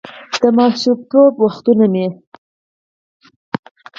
«د ماشومتوب وختونه مې: